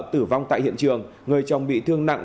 tử vong tại hiện trường người chồng bị thương nặng